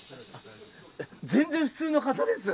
全然普通の方です